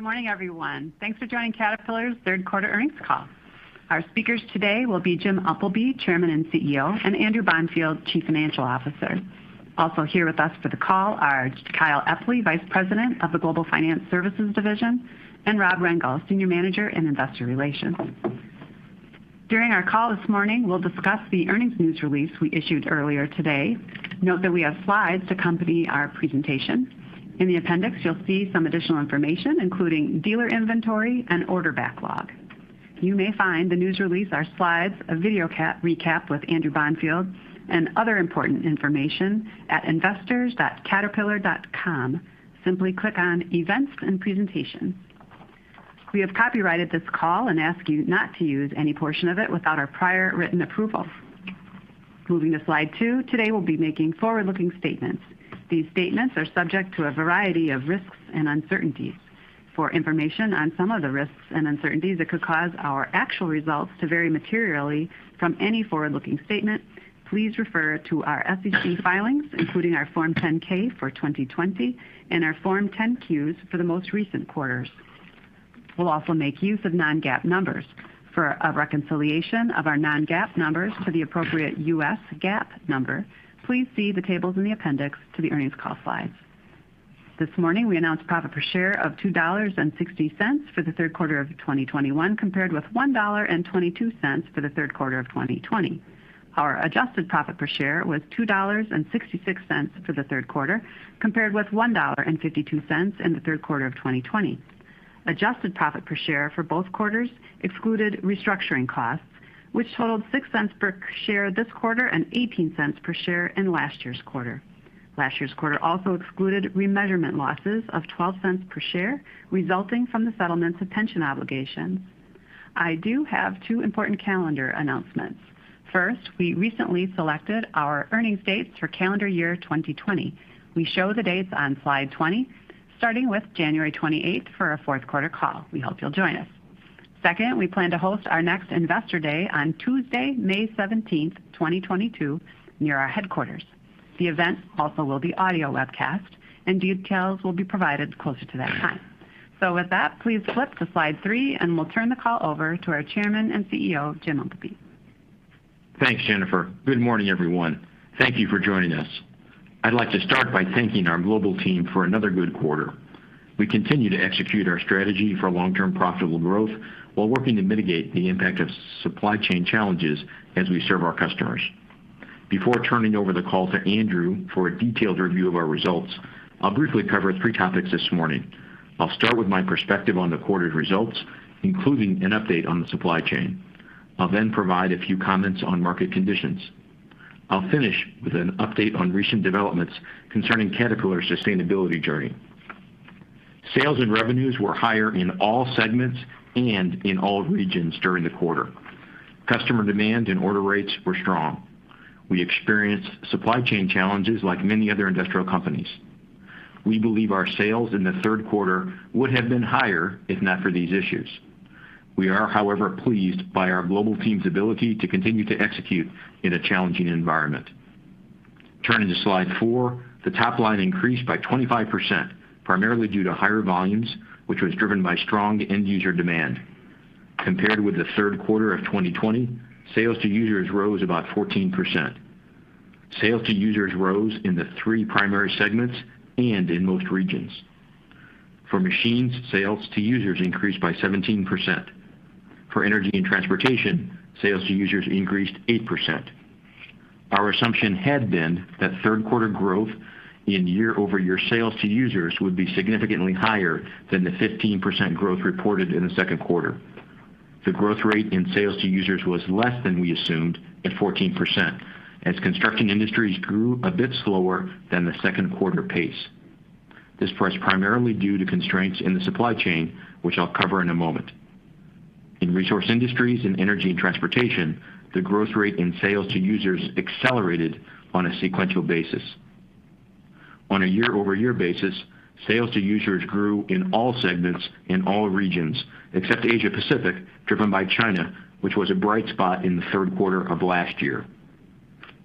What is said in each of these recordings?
Good morning, everyone. Thanks for joining Caterpillar's third quarter earnings call. Our speakers today will be Jim Umpleby, Chairman and CEO; and Andrew Bonfield, Chief Financial Officer. Also here with us for the call are Kyle Epley, Vice President of the Global Finance Services Division; and Rob Rengel, Senior Manager in Investor Relations. During our call this morning, we'll discuss the earnings news release we issued earlier today. Note that we have slides to accompany our presentation. In the appendix, you'll see some additional information, including dealer inventory and order backlog. You may find the news release, our slides, a video recap with Andrew Bonfield and other important information at investors.caterpillar.com. Simply click on Events and Presentation. We have copyrighted this call and ask you not to use any portion of it without our prior written approval. Moving to slide two. Today, we'll be making forward-looking statements. These statements are subject to a variety of risks and uncertainties. For information on some of the risks and uncertainties that could cause our actual results to vary materially from any forward-looking statement, please refer to our SEC filings, including our Form 10-K for 2020 and our Form 10-Qs for the most recent quarters. We'll also make use of non-GAAP numbers. For a reconciliation of our non-GAAP numbers to the appropriate US GAAP number, please see the tables in the appendix to the earnings call slides. This morning, we announced profit per share of $2.60 for the third quarter of 2021, compared with $1.22 for the third quarter of 2020. Our adjusted profit per share was $2.66 for the third quarter, compared with $1.52 in the third quarter of 2020. Adjusted profit per share for both quarters excluded restructuring costs, which totaled $0.06 per share this quarter and $0.18 per share in last year's quarter. Last year's quarter also excluded remeasurement losses of $0.12 per share resulting from the settlements of pension obligations. I do have two important calendar announcements. First, we recently selected our earnings dates for calendar year 2020. We show the dates on slide 20, starting with January 28 for our fourth quarter call. We hope you'll join us. Second, we plan to host our next Investor Day on Tuesday, May 17, 2022 near our headquarters. The event also will be audio webcast and details will be provided closer to that time. With that, please flip to slide three, and we'll turn the call over to our Chairman and CEO, Jim Umpleby. Thanks, Jennifer. Good morning, everyone. Thank you for joining us. I'd like to start by thanking our global team for another good quarter. We continue to execute our strategy for long-term profitable growth while working to mitigate the impact of supply chain challenges as we serve our customers. Before turning over the call to Andrew for a detailed review of our results, I'll briefly cover three topics this morning. I'll start with my perspective on the quarter's results, including an update on the supply chain. I'll then provide a few comments on market conditions. I'll finish with an update on recent developments concerning Caterpillar's sustainability journey. Sales and revenues were higher in all segments and in all regions during the quarter. Customer demand and order rates were strong. We experienced supply chain challenges like many other industrial companies. We believe our sales in the third quarter would have been higher if not for these issues. We are, however, pleased by our global team's ability to continue to execute in a challenging environment. Turning to slide four, the top line increased by 25%, primarily due to higher volumes, which was driven by strong end user demand. Compared with the third quarter of 2020, sales to users rose about 14%. Sales to users rose in the three primary segments and in most regions. For machines, sales to users increased by 17%. For Energy & Transportation, sales to users increased 8%. Our assumption had been that third quarter growth in year-over-year sales to users would be significantly higher than the 15% growth reported in the second quarter. The growth rate in sales to users was less than we assumed at 14% as Construction Industries grew a bit slower than the second quarter pace. This was primarily due to constraints in the supply chain, which I'll cover in a moment. In Resource Industries and Energy & Transportation, the growth rate in sales to users accelerated on a sequential basis. On a year-over-year basis, sales to users grew in all segments in all regions except Asia-Pacific, driven by China, which was a bright spot in the third quarter of last year.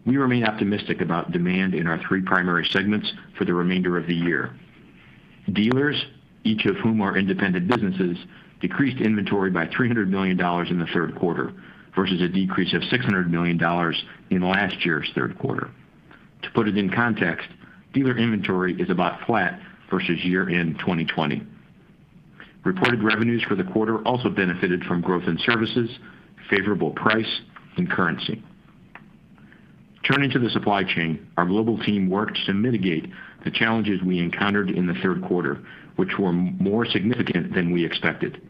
We remain optimistic about demand in our three primary segments for the remainder of the year. Dealers, each of whom are independent businesses, decreased inventory by $300 million in the third quarter versus a decrease of $600 million in last year's third quarter. To put it in context, dealer inventory is about flat versus year-end 2020. Reported revenues for the quarter also benefited from growth in services, favorable price, and currency. Turning to the supply chain, our global team worked to mitigate the challenges we encountered in the third quarter, which were more significant than we expected.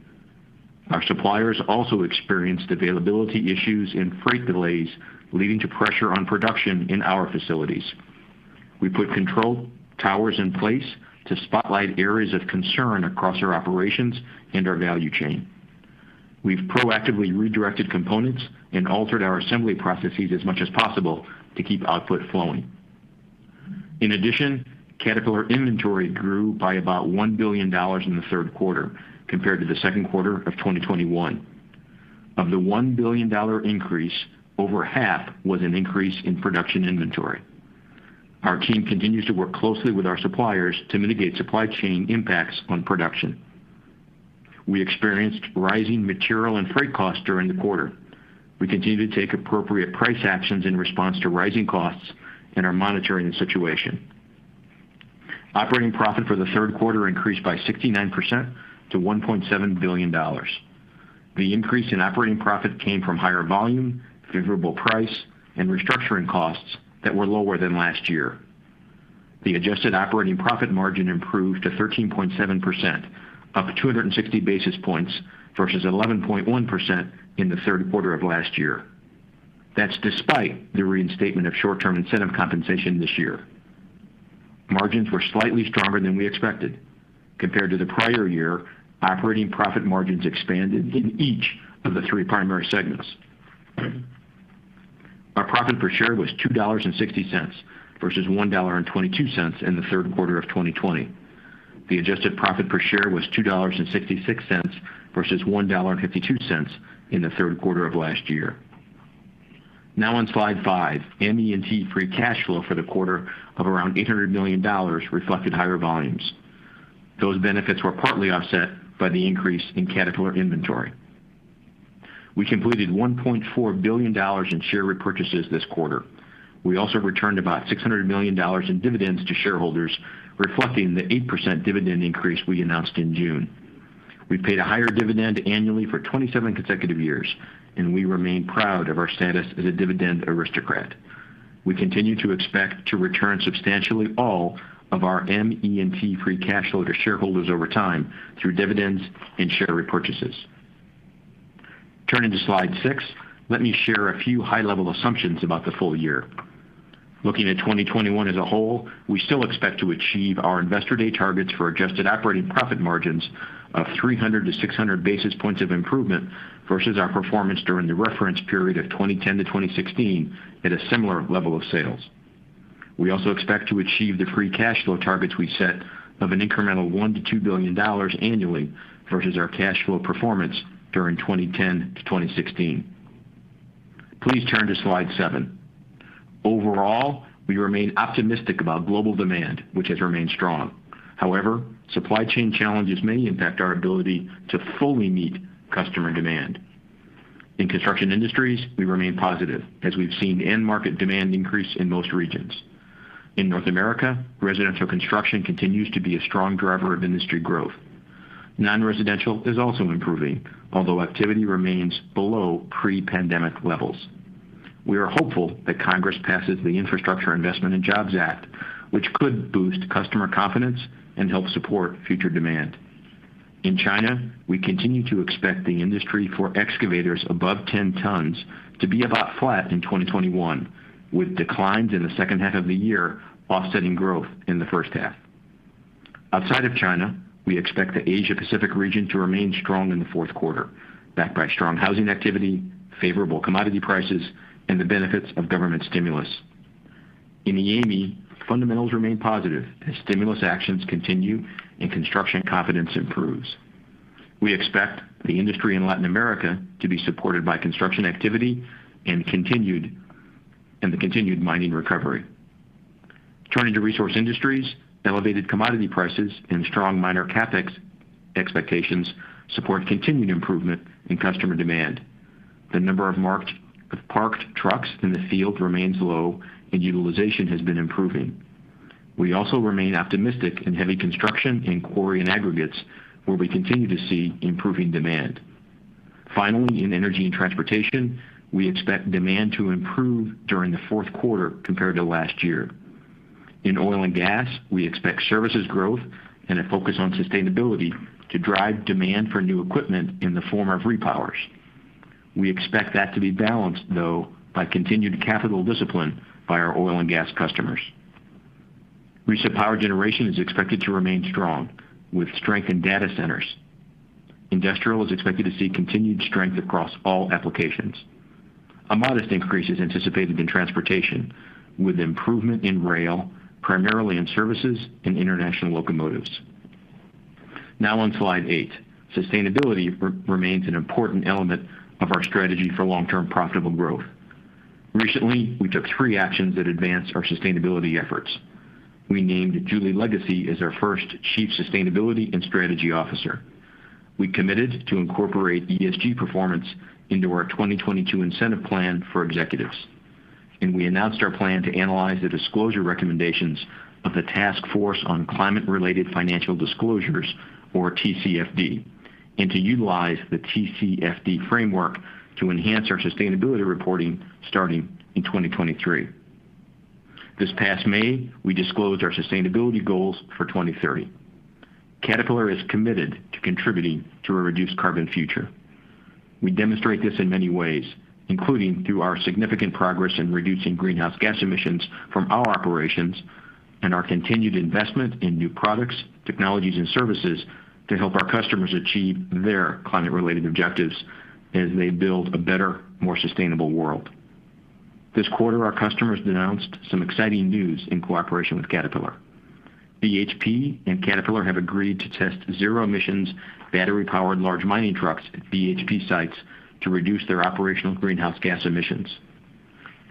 Our suppliers also experienced availability issues and freight delays, leading to pressure on production in our facilities. We put control towers in place to spotlight areas of concern across our operations and our value chain. We've proactively redirected components and altered our assembly processes as much as possible to keep output flowing. In addition, Caterpillar inventory grew by about $1 billion in the third quarter compared to the second quarter of 2021. Of the $1 billion increase, over half was an increase in production inventory. Our team continues to work closely with our suppliers to mitigate supply chain impacts on production. We experienced rising material and freight costs during the quarter. We continue to take appropriate price actions in response to rising costs and are monitoring the situation. Operating profit for the third quarter increased by 69% to $1.7 billion. The increase in operating profit came from higher volume, favorable price, and restructuring costs that were lower than last year. The adjusted operating profit margin improved to 13.7%, up 260 basis points versus 11.1% in the third quarter of last year. That's despite the reinstatement of short-term incentive compensation this year. Margins were slightly stronger than we expected. Compared to the prior year, operating profit margins expanded in each of the three primary segments. Our profit per share was $2.60 versus $1.22 in the third quarter of 2020. The adjusted profit per share was $2.66 versus $1.52 in the third quarter of last year. Now on slide five, ME&T free cash flow for the quarter of around $800 million reflected higher volumes. Those benefits were partly offset by the increase in Caterpillar inventory. We completed $1.4 billion in share repurchases this quarter. We also returned about $600 million in dividends to shareholders, reflecting the 8% dividend increase we announced in June. We've paid a higher dividend annually for 27 consecutive years, and we remain proud of our status as a Dividend Aristocrat. We continue to expect to return substantially all of our ME&T free cash flow to shareholders over time through dividends and share repurchases. Turning to slide six, let me share a few high-level assumptions about the full year. Looking at 2021 as a whole, we still expect to achieve our Investor Day targets for adjusted operating profit margins of 300-600 basis points of improvement versus our performance during the reference period of 2010-2016 at a similar level of sales. We also expect to achieve the free cash flow targets we set of an incremental $1 billion-$2 billion annually versus our cash flow performance during 2010-2016. Please turn to slide seven. Overall, we remain optimistic about global demand, which has remained strong. However, supply chain challenges may impact our ability to fully meet customer demand. In Construction Industries, we remain positive as we've seen end market demand increase in most regions. In North America, residential construction continues to be a strong driver of industry growth. Non-residential is also improving, although activity remains below pre-pandemic levels. We are hopeful that Congress passes the Infrastructure Investment and Jobs Act, which could boost customer confidence and help support future demand. In China, we continue to expect the industry for excavators above 10 tons to be about flat in 2021, with declines in the second half of the year offsetting growth in the first half. Outside of China, we expect the Asia Pacific region to remain strong in the fourth quarter, backed by strong housing activity, favorable commodity prices, and the benefits of government stimulus. In EAME, fundamentals remain positive as stimulus actions continue and construction confidence improves. We expect the industry in Latin America to be supported by construction activity and the continued mining recovery. Turning to Resource Industries, elevated commodity prices and strong miner CapEx expectations support continued improvement in customer demand. The number of marked, parked trucks in the field remains low and utilization has been improving. We also remain optimistic in heavy construction in quarry and aggregates, where we continue to see improving demand. Finally, in Energy & Transportation, we expect demand to improve during the fourth quarter compared to last year. In oil and gas, we expect services growth and a focus on sustainability to drive demand for new equipment in the form of repowers. We expect that to be balanced, though, by continued capital discipline by our oil and gas customers. Recip power generation is expected to remain strong with strength in data centers. Industrial is expected to see continued strength across all applications. A modest increase is anticipated in transportation with improvement in rail, primarily in services and international locomotives. Now on slide eight. Sustainability remains an important element of our strategy for long-term profitable growth. Recently, we took three actions that advanced our sustainability efforts. We named Julie Lagacy as our first Chief Sustainability and Strategy Officer. We committed to incorporate ESG performance into our 2022 incentive plan for executives. We announced our plan to analyze the disclosure recommendations of the Task Force on Climate-related Financial Disclosures, or TCFD, and to utilize the TCFD framework to enhance our sustainability reporting starting in 2023. This past May, we disclosed our sustainability goals for 2030. Caterpillar is committed to contributing to a reduced carbon future. We demonstrate this in many ways, including through our significant progress in reducing greenhouse gas emissions from our operations and our continued investment in new products, technologies, and services to help our customers achieve their climate-related objectives as they build a better, more sustainable world. This quarter, our customers announced some exciting news in cooperation with Caterpillar. BHP and Caterpillar have agreed to test zero-emissions battery-powered large mining trucks at BHP sites to reduce their operational greenhouse gas emissions.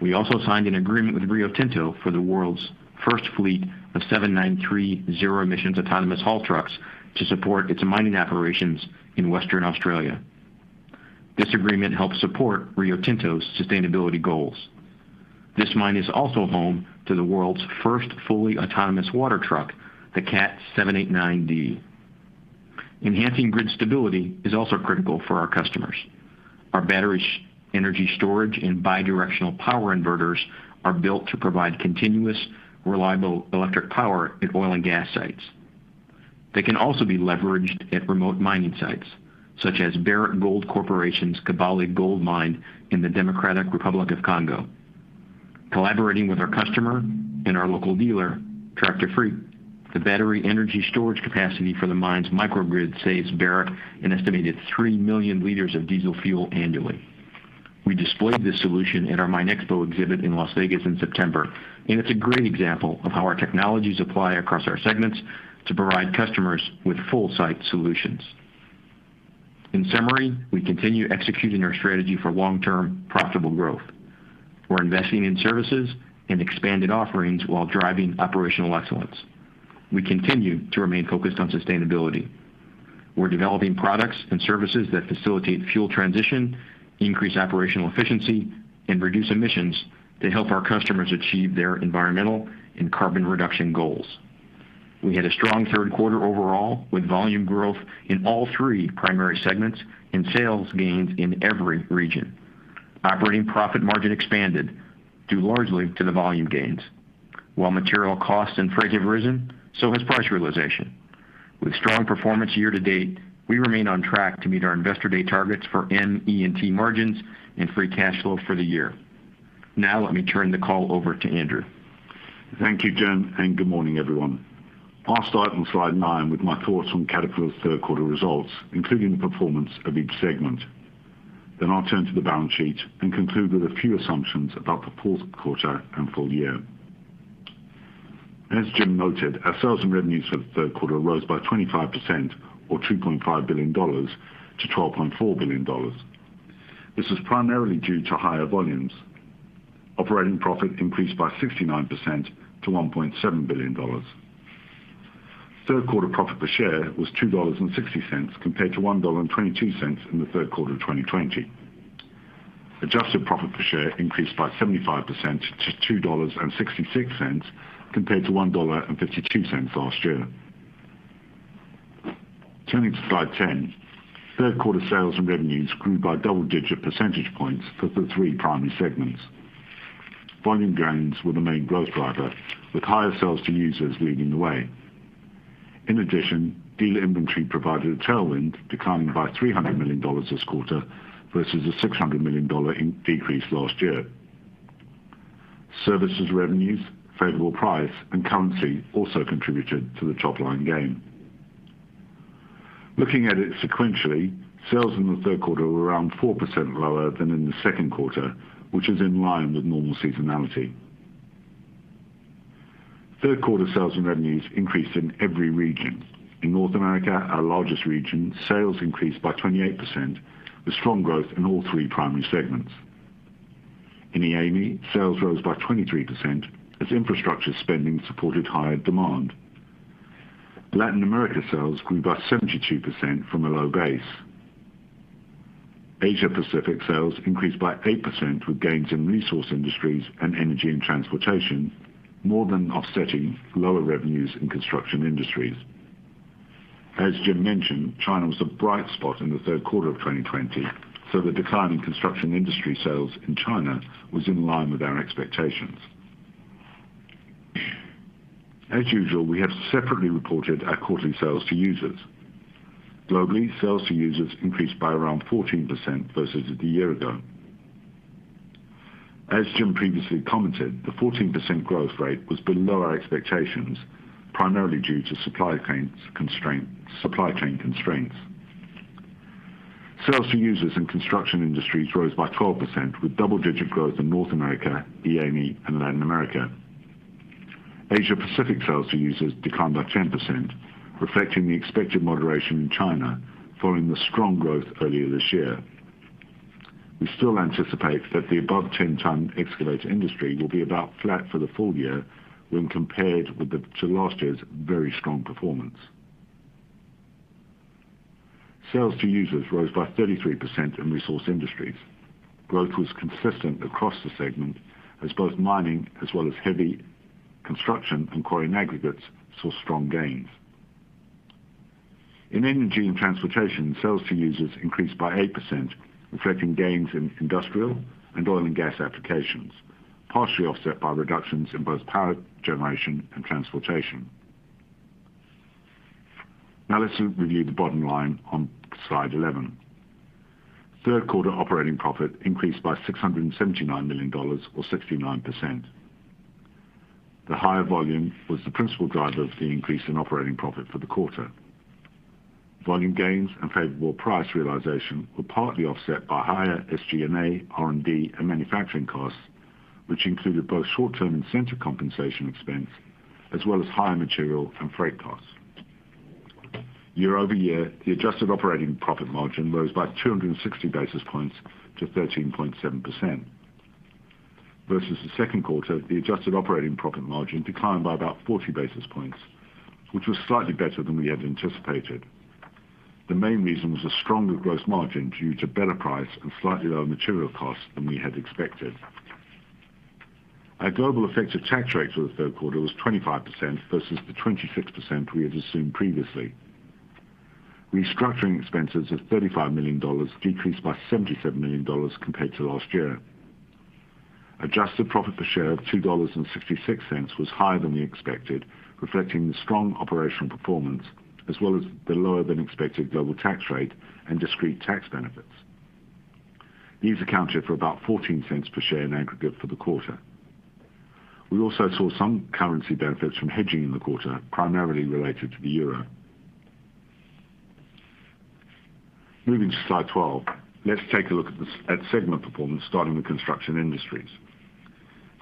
We also signed an agreement with Rio Tinto for the world's first fleet of 793 zero-emissions autonomous haul trucks to support its mining operations in Western Australia. This agreement helps support Rio Tinto's sustainability goals. This mine is also home to the world's first fully autonomous water truck, the Cat 789D. Enhancing grid stability is also critical for our customers. Our battery energy storage and bi-directional power inverters are built to provide continuous, reliable electric power at oil and gas sites. They can also be leveraged at remote mining sites such as Barrick Gold Corporation's Kibali Gold Mine in the Democratic Republic of Congo. Collaborating with our customer and our local dealer, Tractafric, the battery energy storage capacity for the mine's microgrid saves Barrick an estimated 3 million L of diesel fuel annually. We displayed this solution at our MINExpo exhibit in Las Vegas in September, and it's a great example of how our technologies apply across our segments to provide customers with full site solutions. In summary, we continue executing our strategy for long-term profitable growth. We're investing in services and expanded offerings while driving operational excellence. We continue to remain focused on sustainability. We're developing products and services that facilitate fuel transition, increase operational efficiency, and reduce emissions to help our customers achieve their environmental and carbon reduction goals. We had a strong third quarter overall with volume growth in all three primary segments and sales gains in every region. Operating profit margin expanded due largely to the volume gains. While material costs and freight have risen, so has price realization. With strong performance year to date, we remain on track to meet our Investor Day targets for M, E and T margins and free cash flow for the year. Now let me turn the call over to Andrew. Thank you, Jim, and good morning, everyone. I'll start on slide nine with my thoughts on Caterpillar's third quarter results, including the performance of each segment. I'll turn to the balance sheet and conclude with a few assumptions about the fourth quarter and full year. As Jim noted, our sales and revenues for the third quarter rose by 25% or $2.5 billion-$12.4 billion. This is primarily due to higher volumes. Operating profit increased by 69% to $1.7 billion. Third quarter profit per share was $2.60 compared to $1.22 in the third quarter of 2020. Adjusted profit per share increased by 75% to $2.66 compared to $1.52 last year. Turning to slide 10. Third quarter sales and revenues grew by double-digit percentage points for the three primary segments. Volume gains were the main growth driver, with higher sales to users leading the way. In addition, dealer inventory provided a tailwind, declining by $300 million this quarter versus a $600 million decrease last year. Services revenues, favorable price and currency also contributed to the top line gain. Looking at it sequentially, sales in the third quarter were around 4% lower than in the second quarter, which is in line with normal seasonality. Third quarter sales and revenues increased in every region. In North America, our largest region, sales increased by 28%, with strong growth in all three primary segments. In EAME, sales rose by 23% as infrastructure spending supported higher demand. Latin America sales grew by 72% from a low base. Asia Pacific sales increased by 8% with gains in Resource Industries and Energy & Transportation more than offsetting lower revenues in Construction Industries. Jim mentioned, China was a bright spot in the third quarter of 2020, so the decline in Construction Industries sales in China was in line with our expectations. As usual, we have separately reported our quarterly sales to users. Globally, sales to users increased by around 14% versus the year ago. Jim previously commented, the 14% growth rate was below our expectations, primarily due to supply chain constraints. Sales to users in Construction Industries rose by 12%, with double-digit growth in North America, EAME and Latin America. Asia Pacific sales to users declined by 10%, reflecting the expected moderation in China following the strong growth earlier this year. We still anticipate that the above-10-ton excavator industry will be about flat for the full year when compared to last year's very strong performance. Sales to users rose by 33% in Resource Industries. Growth was consistent across the segment as both mining as well as heavy construction and quarry and aggregates saw strong gains. In Energy & Transportation, sales to users increased by 8%, reflecting gains in industrial and oil and gas applications, partially offset by reductions in both power generation and transportation. Now let's review the bottom line on slide 11. Third quarter operating profit increased by $679 million or 69%. The higher volume was the principal driver of the increase in operating profit for the quarter. Volume gains and favorable price realization were partly offset by higher SG&A, R&D, and manufacturing costs, which included both short-term incentive compensation expense as well as higher material and freight costs. Year over year, the adjusted operating profit margin rose by 260 basis points to 13.7%. Versus the second quarter, the adjusted operating profit margin declined by about 40 basis points, which was slightly better than we had anticipated. The main reason was a stronger gross margin due to better price and slightly lower material costs than we had expected. Our global effective tax rate for the third quarter was 25% versus the 26% we had assumed previously. Restructuring expenses of $35 million decreased by $77 million compared to last year. Adjusted profit per share of $2.66 was higher than we expected, reflecting the strong operational performance as well as the lower than expected global tax rate and discrete tax benefits. These accounted for about $0.14 per share in aggregate for the quarter. We also saw some currency benefits from hedging in the quarter, primarily related to the euro. Moving to slide 12. Let's take a look at segment performance starting with Construction Industries.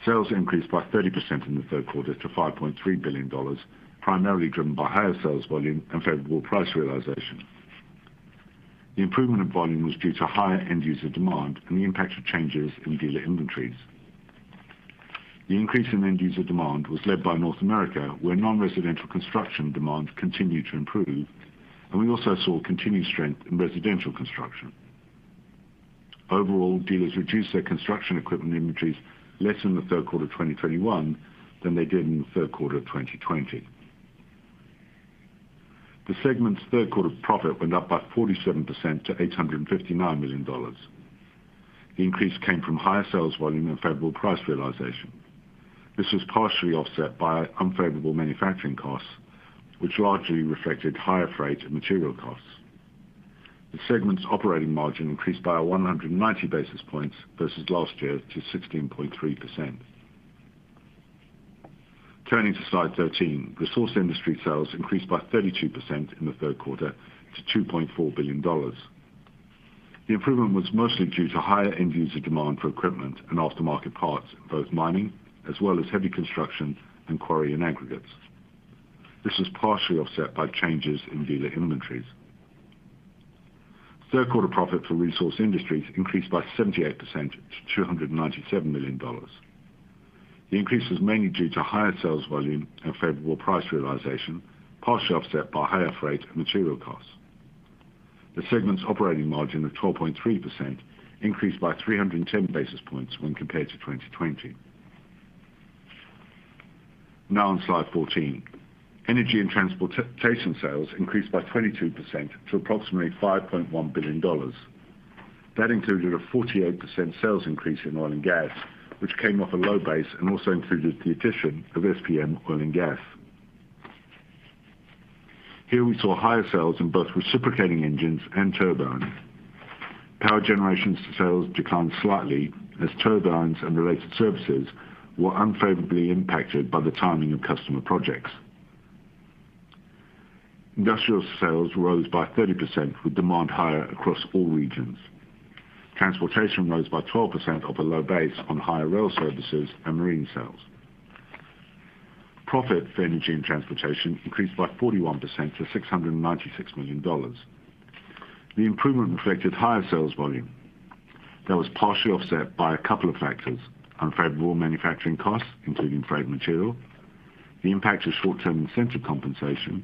Sales increased by 30% in the third quarter to $5.3 billion, primarily driven by higher sales volume and favorable price realization. The improvement of volume was due to higher end user demand and the impact of changes in dealer inventories. The increase in end user demand was led by North America, where non-residential construction demand continued to improve, and we also saw continued strength in residential construction. Overall, dealers reduced their construction equipment inventories less in the third quarter of 2021 than they did in the third quarter of 2020. The segment's third quarter profit went up by 47% to $859 million. The increase came from higher sales volume and favorable price realization. This was partially offset by unfavorable manufacturing costs, which largely reflected higher freight and material costs. The segment's operating margin increased by 190 basis points versus last year to 16.3%. Turning to slide 13. Resource Industries sales increased by 32% in the third quarter to $2.4 billion. The improvement was mostly due to higher end user demand for equipment and aftermarket parts, both mining as well as heavy construction and quarry and aggregates. This was partially offset by changes in dealer inventories. Third quarter profit for Resource Industries increased by 78% to $297 million. The increase was mainly due to higher sales volume and favorable price realization, partially offset by higher freight and material costs. The segment's operating margin of 12.3% increased by 310 basis points when compared to 2020. Now on slide 14. Energy & Transportation sales increased by 22% to approximately $5.1 billion. That included a 48% sales increase in oil and gas, which came off a low base and also included the addition of SPM Oil & Gas. Here we saw higher sales in both reciprocating engines and turbines. Power generation sales declined slightly as turbines and related services were unfavorably impacted by the timing of customer projects. Industrial sales rose by 30% with demand higher across all regions. Transportation rose by 12% off a low base on higher rail services and marine sales. Profit for Energy & Transportation increased by 41% to $696 million. The improvement reflected higher sales volume that was partially offset by a couple of factors, unfavorable manufacturing costs, including freight material, the impact of short-term incentive compensation,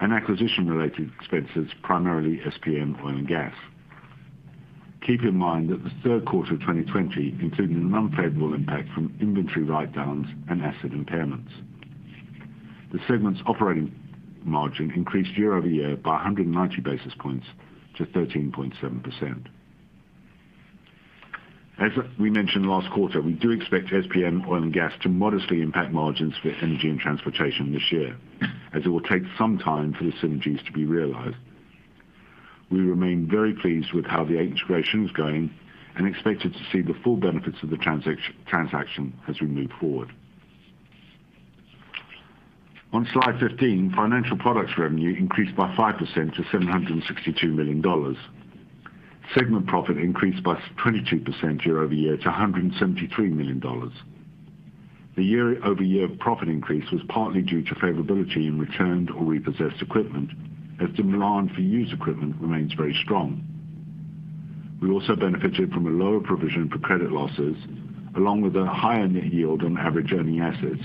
and acquisition-related expenses, primarily SPM Oil & Gas. Keep in mind that the third quarter of 2020 included an unfavorable impact from inventory write-downs and asset impairments. The segment's operating margin increased year-over-year by 190 basis points to 13.7%. As we mentioned last quarter, we do expect SPM Oil & Gas to modestly impact margins for Energy & Transportation this year as it will take some time for the synergies to be realized. We remain very pleased with how the integration is going and expected to see the full benefits of the transaction as we move forward. On slide 15, Financial Products revenue increased by 5% to $762 million. Segment profit increased by 22% year-over-year to $173 million. The year-over-year profit increase was partly due to favorability in returned or repossessed equipment as demand for used equipment remains very strong. We also benefited from a lower provision for credit losses, along with a higher net yield on average earning assets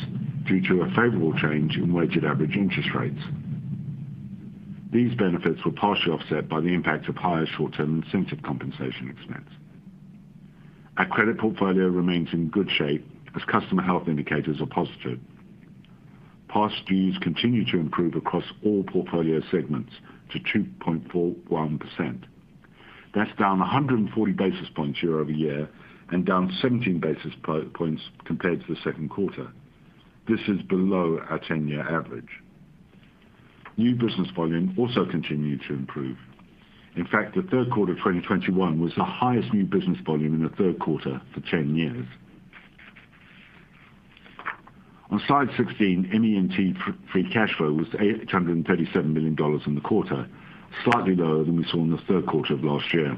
due to a favorable change in weighted average interest rates. These benefits were partially offset by the impact of higher short-term incentive compensation expense. Our credit portfolio remains in good shape as customer health indicators are positive. Past dues continue to improve across all portfolio segments to 2.41%. That's down 140 basis points year-over-year and down 17 basis points compared to the second quarter. This is below our ten-year average. New business volume also continued to improve. In fact, the third quarter of 2021 was the highest new business volume in the third quarter for 10 years. On slide 16, ME&T free cash flow was $837 million in the quarter, slightly lower than we saw in the third quarter of last year.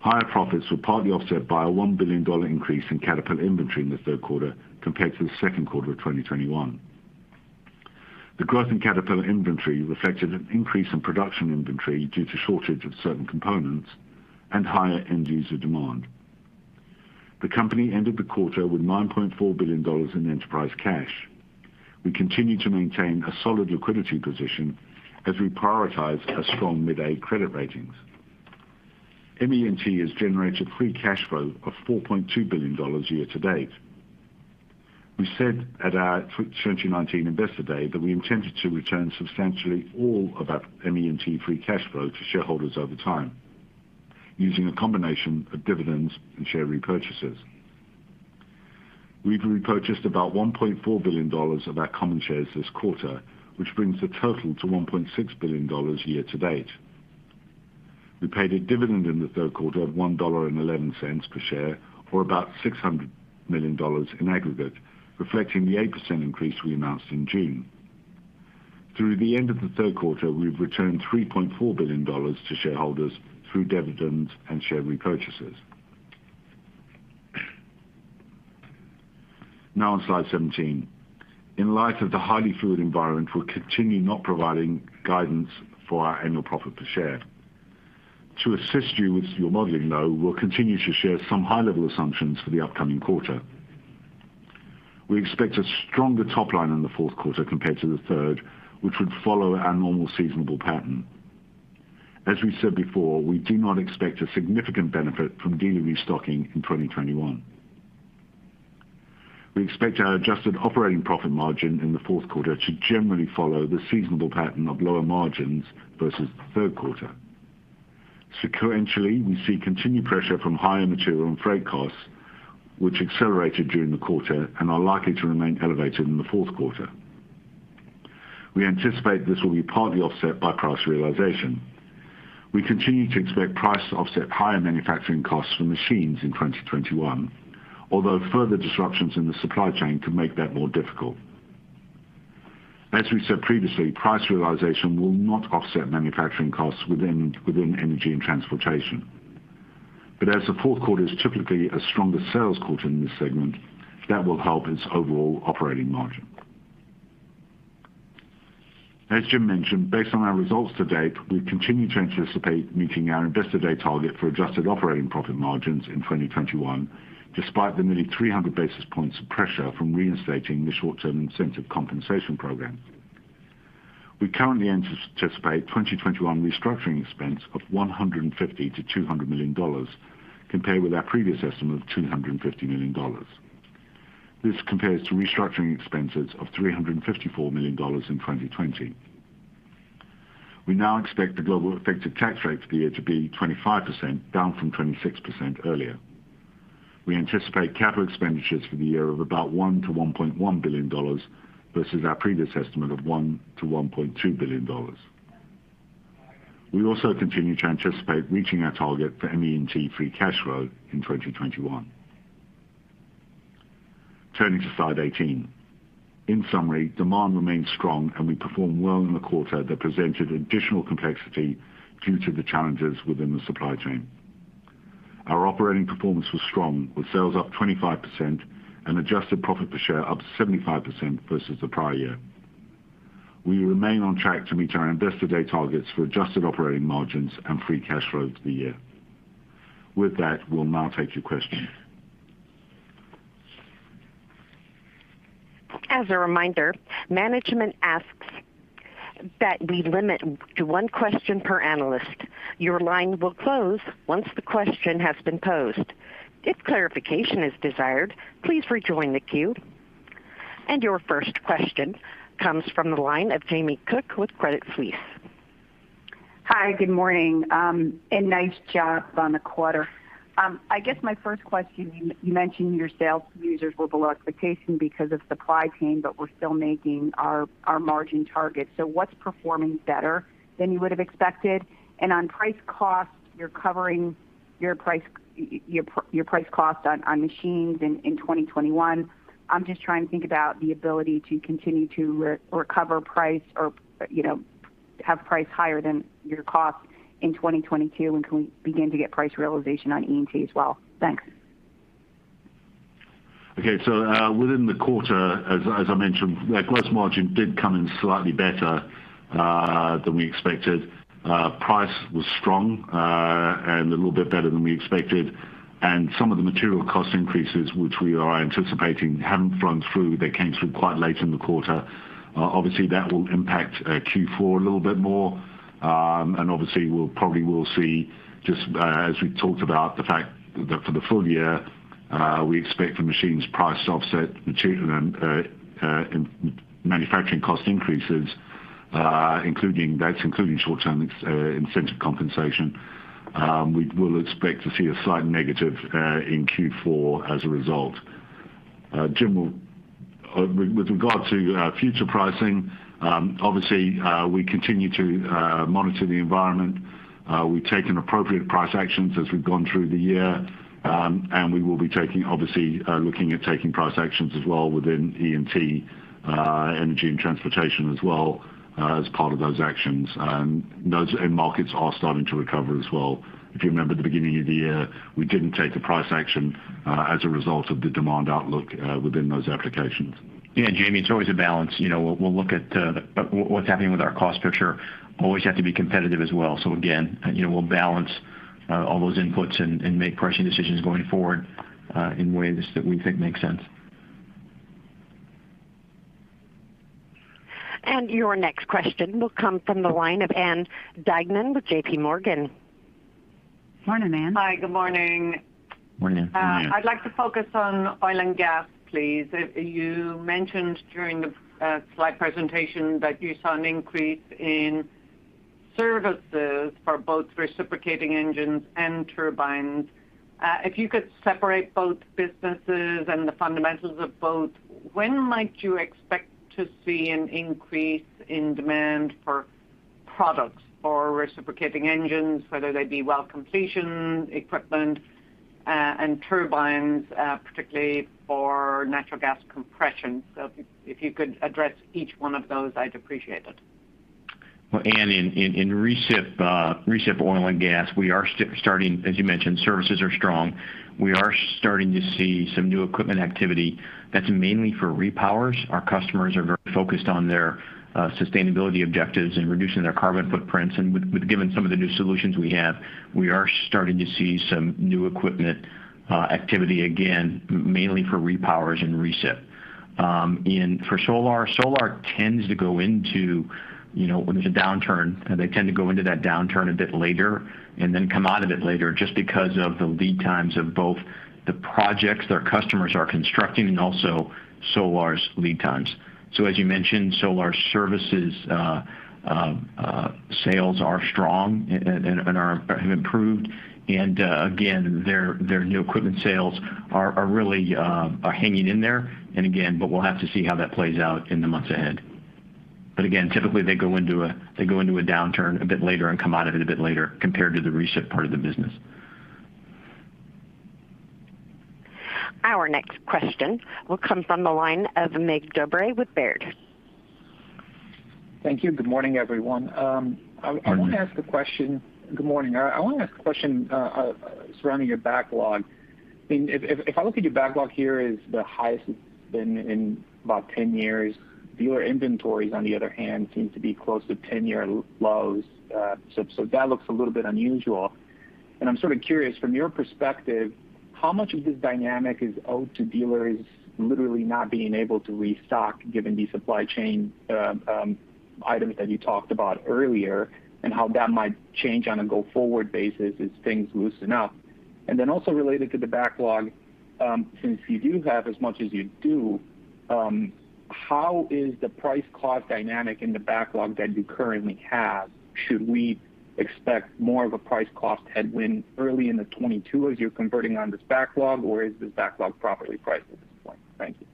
Higher profits were partly offset by a $1 billion increase in Caterpillar inventory in the third quarter compared to the second quarter of 2021. The growth in Caterpillar inventory reflected an increase in production inventory due to shortage of certain components and higher end user demand. The company ended the quarter with $9.4 billion in enterprise cash. We continue to maintain a solid liquidity position as we prioritize a strong mid-A credit ratings. ME&T has generated free cash flow of $4.2 billion year to date. We said at our 2019 Investor Day that we intended to return substantially all of our ME&T free cash flow to shareholders over time, using a combination of dividends and share repurchases. We've repurchased about $1.4 billion of our common shares this quarter, which brings the total to $1.6 billion year to date. We paid a dividend in the third quarter of $1.11 per share, or about $600 million in aggregate, reflecting the 8% increase we announced in June. Through the end of the third quarter, we've returned $3.4 billion to shareholders through dividends and share repurchases. Now on slide 17. In light of the highly fluid environment, we're continuing not providing guidance for our annual profit per share. To assist you with your modeling, though, we'll continue to share some high-level assumptions for the upcoming quarter. We expect a stronger top line in the fourth quarter compared to the third, which would follow our normal seasonal pattern. As we said before, we do not expect a significant benefit from dealer restocking in 2021. We expect our adjusted operating profit margin in the fourth quarter to generally follow the seasonal pattern of lower margins versus the third quarter. Sequentially, we see continued pressure from higher material and freight costs, which accelerated during the quarter and are likely to remain elevated in the fourth quarter. We anticipate this will be partly offset by price realization. We continue to expect price to offset higher manufacturing costs for machines in 2021, although further disruptions in the supply chain could make that more difficult. As we said previously, price realization will not offset manufacturing costs within Energy & Transportation. As the fourth quarter is typically a stronger sales quarter in this segment, that will help its overall operating margin. As Jim mentioned, based on our results to date, we continue to anticipate meeting our Investor Day target for adjusted operating profit margins in 2021, despite the nearly 300 basis points of pressure from reinstating the short-term incentive compensation program. We currently anticipate 2021 restructuring expense of $150 million-$200 million, compared with our previous estimate of $250 million. This compares to restructuring expenses of $354 million in 2020. We now expect the global effective tax rate for the year to be 25%, down from 26% earlier. We anticipate capital expenditures for the year of about $1 billion-$1.1 billion versus our previous estimate of $1 billion-$1.2 billion. We also continue to anticipate reaching our target for ME&T free cash flow in 2021. Turning to slide 18. In summary, demand remains strong and we performed well in the quarter that presented additional complexity due to the challenges within the supply chain. Our operating performance was strong, with sales up 25% and adjusted profit per share up 75% versus the prior year. We remain on track to meet our Investor Day targets for adjusted operating margins and free cash flow for the year. With that, we'll now take your questions. As a reminder, management asks that we limit to one question per analyst. Your line will close once the question has been posed. If clarification is desired, please rejoin the queue. Your first question comes from the line of Jamie Cook with Credit Suisse. Hi, good morning, nice job on the quarter. I guess my first question, you mentioned your sales were below expectation because of supply chain, but were still making your margin target. What's performing better than you would have expected? On price cost, you're covering your price, your price cost on machines in 2021. I'm just trying to think about the ability to continue to recover price or, you know, have price higher than your cost in 2022, and can we begin to get price realization on E&T as well? Thanks. Okay. Within the quarter, as I mentioned, our gross margin did come in slightly better than we expected. Price was strong and a little bit better than we expected. Some of the material cost increases, which we are anticipating, haven't flowed through. They came through quite late in the quarter. Obviously that will impact Q4 a little bit more. Obviously we will probably see just as we talked about, the fact that for the full year we expect the machines price to offset the manufacturing cost increases including short-term incentive compensation. We will expect to see a slight negative in Q4 as a result. Jim, with regard to future pricing, obviously we continue to monitor the environment. We've taken appropriate price actions as we've gone through the year. We will be taking, obviously, looking at taking price actions as well within E&T, Energy & Transportation as well, as part of those actions. Those end markets are starting to recover as well. If you remember at the beginning of the year, we didn't take a price action, as a result of the demand outlook, within those applications. Yeah, Jamie, it's always a balance. You know, we'll look at what's happening with our cost picture. Always have to be competitive as well. Again, you know, we'll balance all those inputs and make pricing decisions going forward in ways that we think make sense. Your next question will come from the line of Ann Duignan with JPMorgan. Morning, Ann. Hi, good morning. Morning. Morning. I'd like to focus on oil and gas, please. You mentioned during the slide presentation that you saw an increase in services for both reciprocating engines and turbines. If you could separate both businesses and the fundamentals of both, when might you expect to see an increase in demand for products for reciprocating engines, whether they be well completion equipment, and turbines, particularly for natural gas compression? If you could address each one of those, I'd appreciate it. Well, Ann, in recip oil and gas, as you mentioned, services are strong. We are starting to see some new equipment activity that's mainly for repowers. Our customers are very focused on their sustainability objectives and reducing their carbon footprints. With given some of the new solutions we have, we are starting to see some new equipment activity, again, mainly for repowers and recip. For Solar tends to go into, you know, when there's a downturn, they tend to go into that downturn a bit later and then come out of it later just because of the lead times of both the projects their customers are constructing and also Solar's lead times. As you mentioned, Solar services sales are strong and have improved. Again, their new equipment sales are really hanging in there. We'll have to see how that plays out in the months ahead. Typically they go into a downturn a bit later and come out of it a bit later compared to the recip part of the business. Our next question will come from the line of Mircea Dobre with Baird. Thank you. Good morning, everyone. Good morning. I wanna ask a question. Good morning. I wanna ask a question surrounding your backlog. I mean, if I look at your backlog, it is the highest it's been in about 10 years. Dealer inventories, on the other hand, seem to be close to 10-year lows. That looks a little bit unusual. I'm sort of curious, from your perspective, how much of this dynamic is owed to dealers literally not being able to restock given the supply chain items that you talked about earlier, and how that might change on a go forward basis as things loosen up? Then also related to the backlog, since you do have as much as you do, how is the price cost dynamic in the backlog that you currently have? Should we expect more of a price cost headwind early in 2022 as you're converting on this backlog, or is this backlog properly priced at this point? Thank you.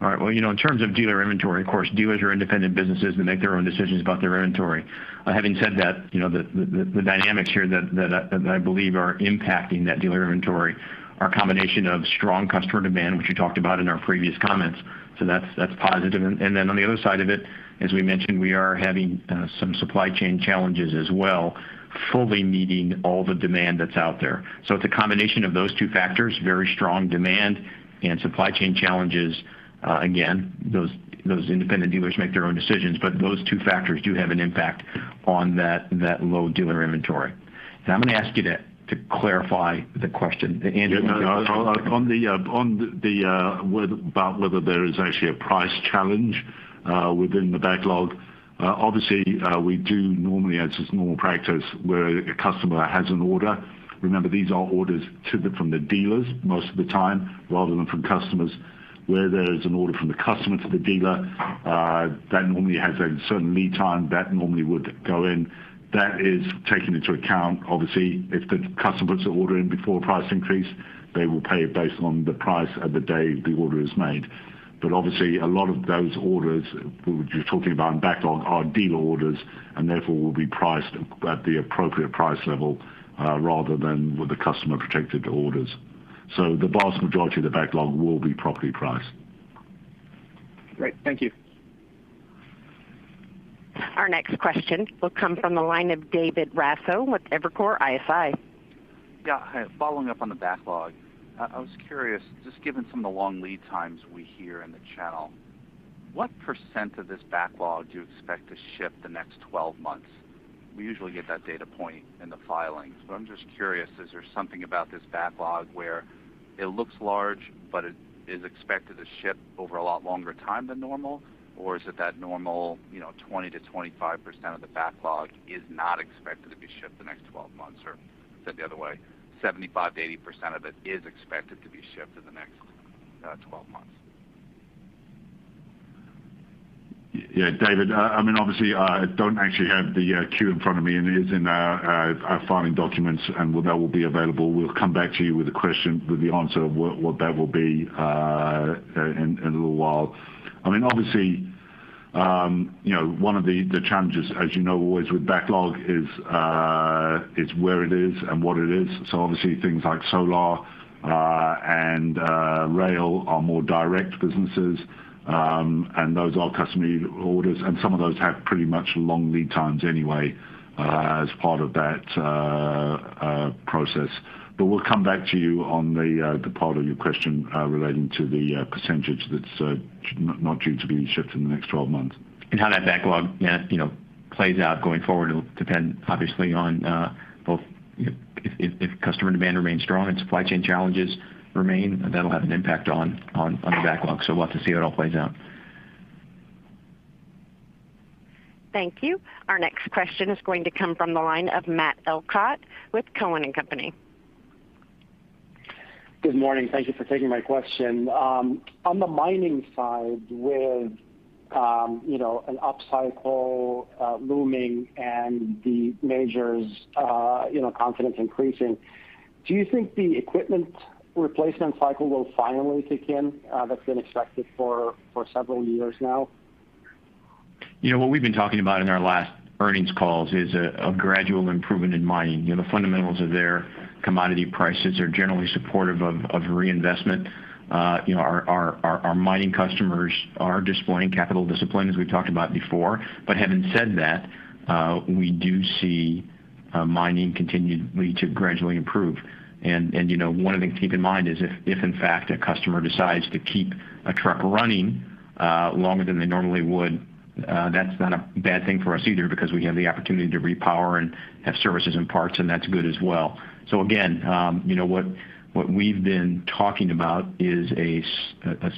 All right. Well, you know, in terms of dealer inventory, of course, dealers are independent businesses that make their own decisions about their inventory. Having said that, you know, the dynamics here that I believe are impacting that dealer inventory are a combination of strong customer demand, which we talked about in our previous comments, so that's positive. And then on the other side of it, as we mentioned, we are having some supply chain challenges as well, fully meeting all the demand that's out there. So it's a combination of those two factors, very strong demand and supply chain challenges. Again, those independent dealers make their own decisions, but those two factors do have an impact on that low dealer inventory. Now I'm gonna ask you to clarify the question. Andy, why don't you- Yeah. No, about whether there is actually a price challenge within the backlog, obviously, we do normally, as is normal practice, where a customer has an order. Remember, these are orders typically from the dealers most of the time, rather than from customers. Where there is an order from the customer to the dealer, that normally has a certain lead time that normally would go in. That is taken into account. Obviously, if the customer puts the order in before a price increase, they will pay it based on the price of the day the order is made. Obviously a lot of those orders, which you're talking about in backlog, are dealer orders and therefore will be priced at the appropriate price level, rather than with the customer protected orders. The vast majority of the backlog will be properly priced. Great. Thank you. Our next question will come from the line of David Raso with Evercore ISI. Yeah. Hi. Following up on the backlog, I was curious, just given some of the long lead times we hear in the channel, what percent of this backlog do you expect to ship in the next 12 months? We usually get that data point in the filings, but I'm just curious, is there something about this backlog where it looks large but it is expected to ship over a lot longer time than normal? Or is it that normal, you know, 20%-25% of the backlog is not expected to be shipped in the next 12 months? Or said the other way, 75%-80% of it is expected to be shipped in the next 12 months? Yeah, David, I mean, obviously I don't actually have the queue in front of me, and it is in our filing documents, and that will be available. We'll come back to you with the answer of what that will be in a little while. I mean, obviously, you know, one of the challenges, as you know, always with backlog is, it's where it is and what it is. Obviously things like Solar and rail are more direct businesses, and those are customer orders, and some of those have pretty much long lead times anyway, as part of that process. We'll come back to you on the part of your question relating to the percentage that's not due to be shipped in the next 12 months. How that backlog, yeah, you know, plays out going forward will depend obviously on both if customer demand remains strong and supply chain challenges remain, that'll have an impact on the backlog. We'll have to see how it all plays out. Thank you. Our next question is going to come from the line of Matt Elkott with Cowen and Company. Good morning. Thank you for taking my question. On the mining side, with you know, an upcycle looming and the majors you know, confidence increasing, do you think the equipment replacement cycle will finally kick in, that's been expected for several years now? You know, what we've been talking about in our last earnings calls is a gradual improvement in mining. You know, the fundamentals are there. Commodity prices are generally supportive of reinvestment. You know, our mining customers are displaying capital discipline, as we've talked about before. Having said that, we do see mining continue to gradually improve. You know, one of the things to keep in mind is if in fact a customer decides to keep a truck running longer than they normally would, that's not a bad thing for us either because we have the opportunity to repower and have services and parts, and that's good as well. Again, you know, what we've been talking about is a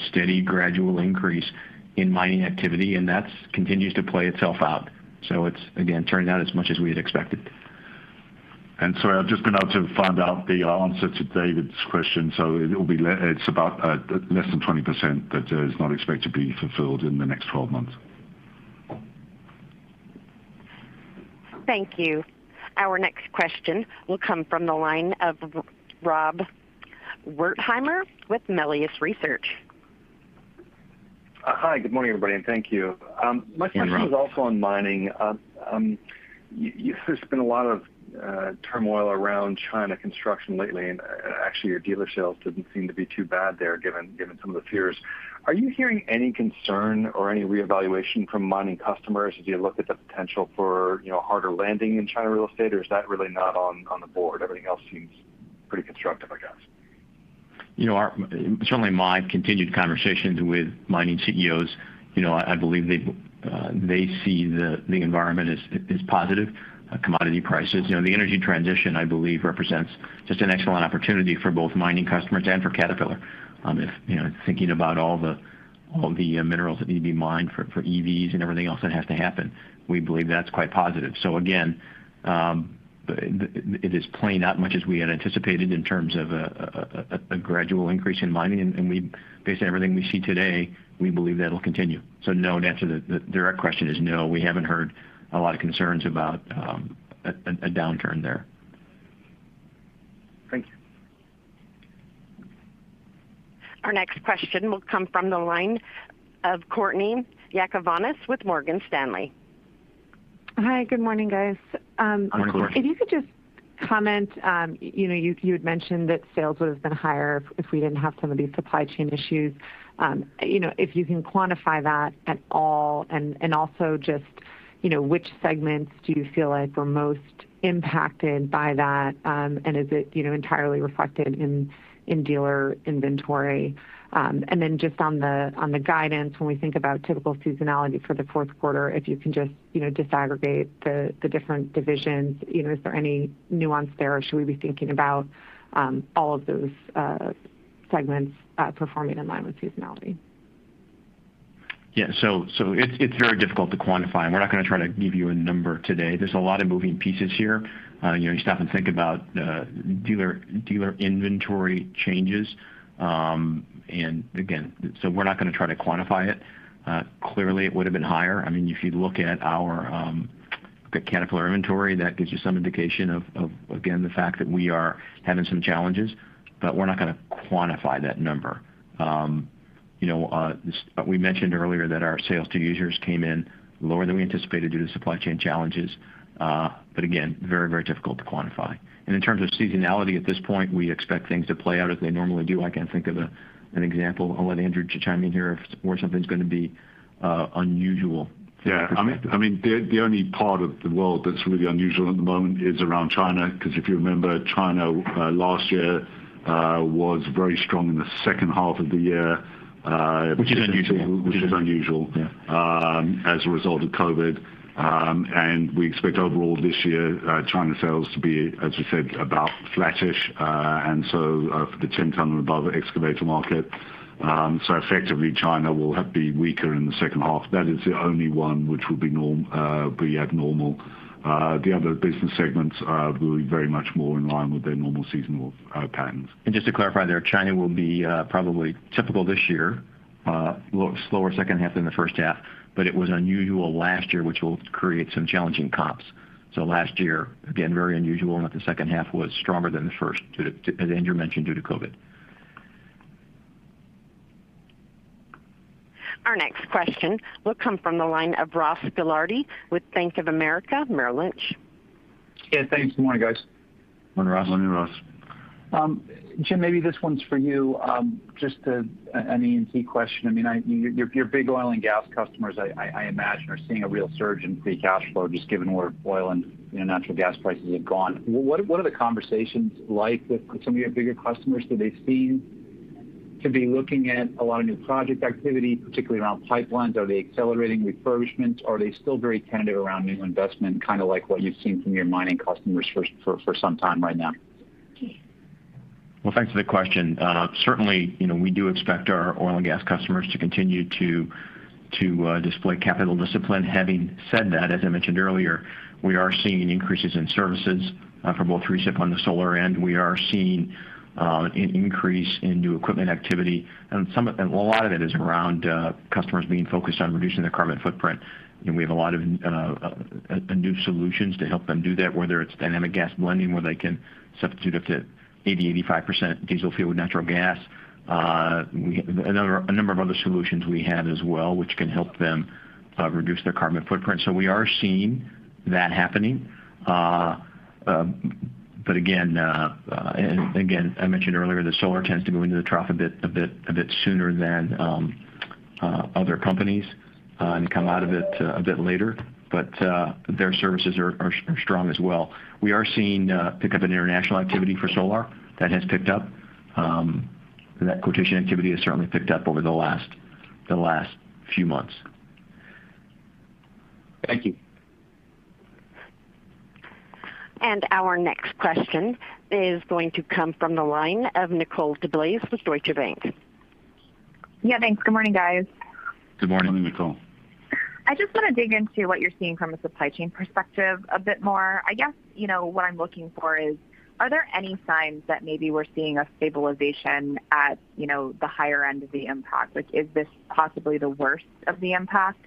steady gradual increase in mining activity, and that continues to play itself out. It's, again, turning out as much as we had expected. Sorry, I've just been able to find out the answer to David's question, so it'll be about less than 20% that is not expected to be fulfilled in the next 12 months. Thank you. Our next question will come from the line of Rob Wertheimer with Melius Research. Hi. Good morning, everybody, and thank you. My question- Yeah, Rob. This is also on mining. There's been a lot of turmoil around China construction lately, and actually, your dealer sales didn't seem to be too bad there given some of the fears. Are you hearing any concern or any reevaluation from mining customers as you look at the potential for, you know, harder landing in China real estate, or is that really not on the board? Everything else seems pretty constructive, I guess. You know, certainly my continued conversations with mining CEOs, you know, I believe they see the environment as positive, commodity prices. You know, the energy transition, I believe, represents just an excellent opportunity for both mining customers and for Caterpillar, if, you know, thinking about all the minerals that need to be mined for EVs and everything else that has to happen. We believe that's quite positive. Again, it is playing out much as we had anticipated in terms of a gradual increase in mining, and we, based on everything we see today, we believe that'll continue. No, to answer the direct question is no, we haven't heard a lot of concerns about a downturn there. Thank you. Our next question will come from the line of Courtney Yakavonis with Morgan Stanley. Hi. Good morning, guys. Good morning, Courtney. If you could just comment, you know, you had mentioned that sales would have been higher if we didn't have some of these supply chain issues. You know, if you can quantify that at all and also just, you know, which segments do you feel like were most impacted by that, and is it, you know, entirely reflected in dealer inventory? And then just on the guidance, when we think about typical seasonality for the fourth quarter, if you can just, you know, disaggregate the different divisions, you know, is there any nuance there, or should we be thinking about all of those segments performing in line with seasonality? It's very difficult to quantify, and we're not gonna try to give you a number today. There's a lot of moving parts here. You know, you stop and think about dealer inventory changes, and again, we're not gonna try to quantify it. Clearly it would have been higher. I mean, if you look at our Caterpillar inventory, that gives you some indication of the fact again that we are having some challenges, but we're not gonna quantify that number. You know, we mentioned earlier that our sales to users came in lower than we anticipated due to supply chain challenges, but again, very, very difficult to quantify. In terms of seasonality at this point, we expect things to play out as they normally do. I can't think of an example. I'll let Andrew chime in here if there's something that's gonna be unusual. Yeah. I mean, the only part of the world that's really unusual at the moment is around China, 'cause if you remember, China last year was very strong in the second half of the year. Which is unusual. Which is unusual. Yeah. As a result of COVID, we expect overall this year China sales to be, as we said, about flattish for the 10-ton and above excavator market. Effectively, China will have to be weaker in the second half. That is the only one which will be abnormal. The other business segments will be very much more in line with their normal seasonal patterns. Just to clarify there, China will be probably typical this year, slower second half than the first half, but it was unusual last year, which will create some challenging comps. Last year, again, very unusual in that the second half was stronger than the first due to, as Andrew mentioned, COVID. Question will come from the line of Ross Gilardi with Bank of America Merrill Lynch. Yeah, thanks. Good morning, guys. Good morning, Ross. Good morning, Ross. Jim, maybe this one's for you. Just, an E&T question. I mean, your big oil and gas customers I imagine are seeing a real surge in free cash flow just given where oil and, you know, natural gas prices have gone. What are the conversations like with some of your bigger customers? Do they seem to be looking at a lot of new project activity, particularly around pipelines? Are they accelerating refurbishment? Are they still very tentative around new investment, kind of like what you've seen from your mining customers for some time right now? Well, thanks for the question. Certainly, you know, we do expect our oil and gas customers to continue to display capital discipline. Having said that, as I mentioned earlier, we are seeing increases in services for both recip and Solar. We are seeing an increase in new equipment activity. A lot of it is around customers being focused on reducing their carbon footprint. We have a lot of new solutions to help them do that, whether it's Dynamic Gas Blending, where they can substitute up to 85% diesel fuel with natural gas. A number of other solutions we have as well, which can help them reduce their carbon footprint. We are seeing that happening. Again, I mentioned earlier that Solar tends to go into the trough a bit sooner than other companies and come out of it a bit later. Their services are strong as well. We are seeing a pickup in international activity for Solar. That has picked up. That quotation activity has certainly picked up over the last few months. Thank you. Our next question is going to come from the line of Nicole DeBlase with Deutsche Bank. Yeah, thanks. Good morning, guys. Good morning. Good morning, Nicole. I just want to dig into what you're seeing from a supply chain perspective a bit more. I guess, you know, what I'm looking for is, are there any signs that maybe we're seeing a stabilization at, you know, the higher end of the impact? Like, is this possibly the worst of the impact?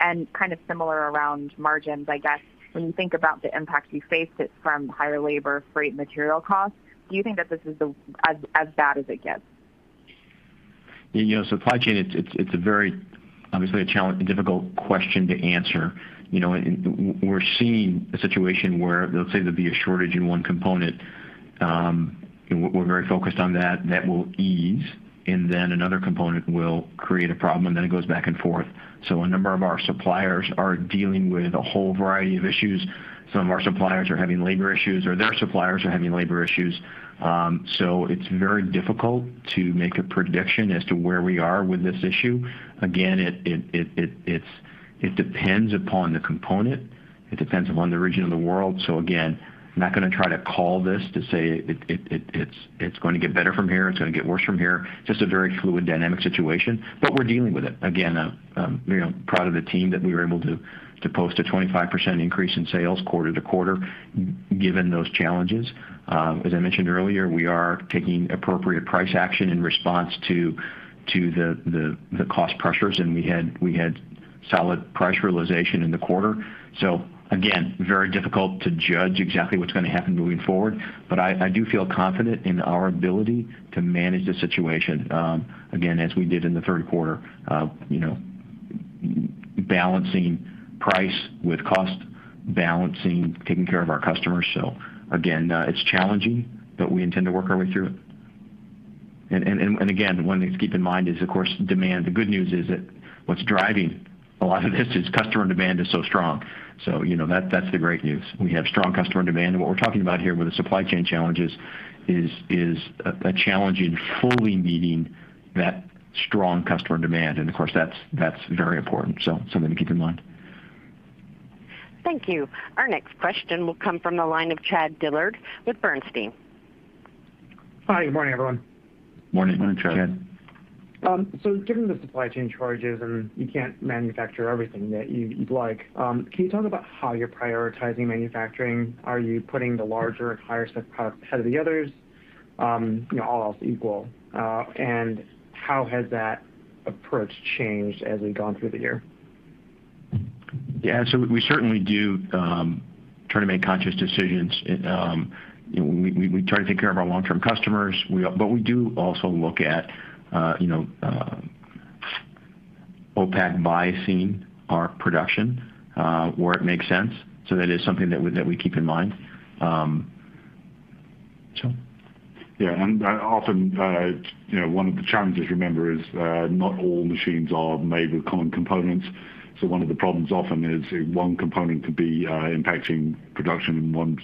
Kind of similar around margins, I guess when you think about the impact you faced it from higher labor, freight, and material costs, do you think that this is as bad as it gets? You know, supply chain, it's a very obviously a challenge, a difficult question to answer. You know, we're seeing a situation where let's say there'd be a shortage in one component, and we're very focused on that will ease, and then another component will create a problem, and then it goes back and forth. A number of our suppliers are dealing with a whole variety of issues. Some of our suppliers are having labor issues, or their suppliers are having labor issues. It's very difficult to make a prediction as to where we are with this issue. Again, it depends upon the component. It depends upon the region of the world. I'm not gonna try to call this to say it's going to get better from here, it's going to get worse from here. Just a very fluid dynamic situation, but we're dealing with it. Again, you know, proud of the team that we were able to post a 25% increase in sales quarter-over-quarter given those challenges. As I mentioned earlier, we are taking appropriate price action in response to the cost pressures, and we had solid price realization in the quarter. Again, very difficult to judge exactly what's gonna happen moving forward. I do feel confident in our ability to manage the situation, again, as we did in the third quarter of, you know, balancing price with cost, balancing taking care of our customers. Again, it's challenging, but we intend to work our way through it. Again, one thing to keep in mind is, of course, demand. The good news is that what's driving a lot of this is customer demand is so strong. You know, that's the great news. We have strong customer demand, and what we're talking about here with the supply chain challenges is a challenge in fully meeting that strong customer demand. Of course, that's very important. Something to keep in mind. Thank you. Our next question will come from the line of Chad Dillard with Bernstein. Hi. Good morning, everyone. Morning. Morning, Chad. Given the supply chain charges and you can't manufacture everything that you'd like, can you talk about how you're prioritizing manufacturing? Are you putting the larger and higher stuff ahead of the others, you know, all else equal? How has that approach changed as we've gone through the year? Yeah. We certainly do try to make conscious decisions. You know, we try to take care of our long-term customers. We do also look at, you know, opportunistically biasing our production where it makes sense. That is something that we keep in mind. Yeah. Often, you know, one of the challenges, remember, is not all machines are made with common components. One of the problems often is one component could be impacting production in one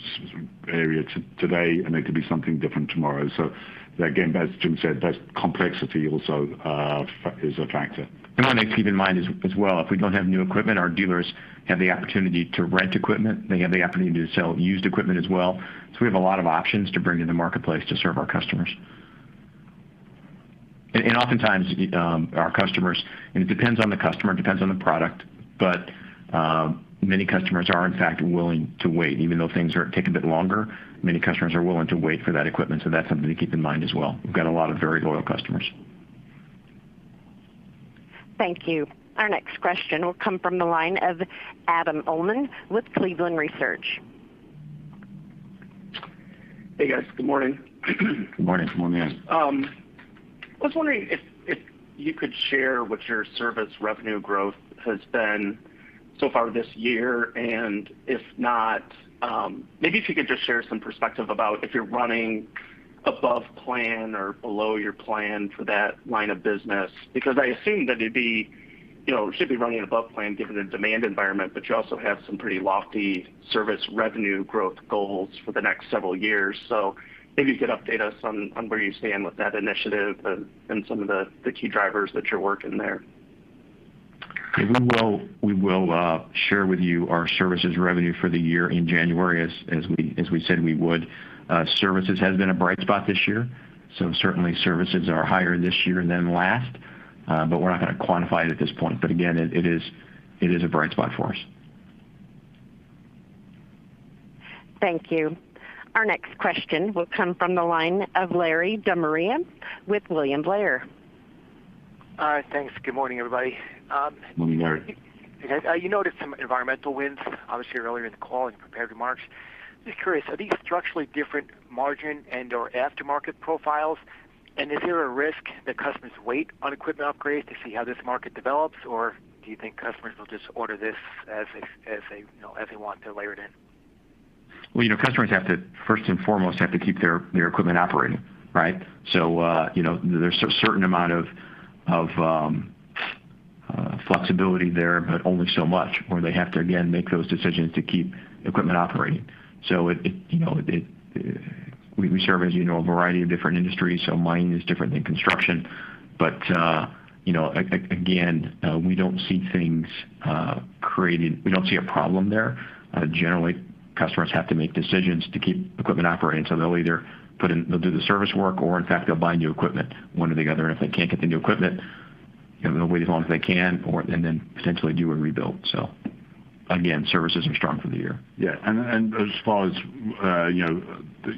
area today, and it could be something different tomorrow. Again, as Jim said, that complexity also is a factor. One thing to keep in mind is, as well, if we don't have new equipment, our dealers have the opportunity to rent equipment. They have the opportunity to sell used equipment as well. We have a lot of options to bring to the marketplace to serve our customers. Oftentimes, our customers, and it depends on the customer, it depends on the product, but many customers are in fact willing to wait, even though things take a bit longer, many customers are willing to wait for that equipment. That's something to keep in mind as well. We've got a lot of very loyal customers. Thank you. Our next question will come from the line of Adam Uhlman with Cleveland Research. Hey guys. Good morning. Good morning. Good morning. I was wondering if you could share what your service revenue growth has been so far this year, and if not, maybe if you could just share some perspective about if you're running above plan or below your plan for that line of business. Because I assume that it'd be, you know, should be running above plan given the demand environment, but you also have some pretty lofty service revenue growth goals for the next several years. Maybe you could update us on where you stand with that initiative and some of the key drivers that you're working there. We will share with you our services revenue for the year in January, as we said we would. Services has been a bright spot this year, so certainly services are higher this year than last. We're not going to quantify it at this point. Again, it is a bright spot for us. Thank you. Our next question will come from the line of Larry De Maria with William Blair. Thanks. Good morning, everybody. Morning, Larry. You guys, you noted some environmental wins, obviously earlier in the call in your prepared remarks. Just curious, are these structurally different margin and/or aftermarket profiles? And is there a risk that customers wait on equipment upgrades to see how this market develops? Or do you think customers will just order this as they, you know, as they want to layer it in? Well, you know, customers have to, first and foremost, have to keep their equipment operating, right? So, you know, there's a certain amount of flexibility there, but only so much where they have to, again, make those decisions to keep equipment operating. So we service, you know, a variety of different industries, so mining is different than construction. But, you know, again, we don't see a problem there. Generally, customers have to make decisions to keep equipment operating, so they'll do the service work or in fact they'll buy new equipment, one or the other. If they can't get the new equipment, you know, they'll wait as long as they can and then potentially do a rebuild. Again, services are strong for the year. As far as, you know,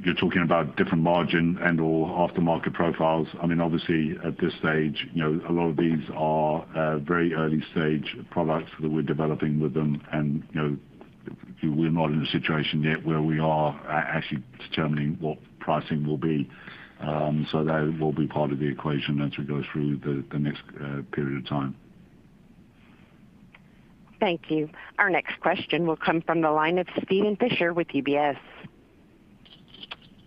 you're talking about different margin and/or aftermarket profiles, I mean, obviously at this stage, you know, a lot of these are very early stage products that we're developing with them. You know, we're not in a situation yet where we are actually determining what pricing will be. That will be part of the equation as we go through the next period of time. Thank you. Our next question will come from the line of Steven Fisher with UBS.